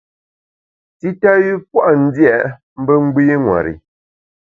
Tita yü pua’ ndia mbe gbî ṅweri.